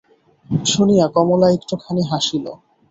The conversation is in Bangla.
শুনিয়া কমলা একটুখানি হাসিল।